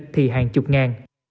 thì hàng chục ngàn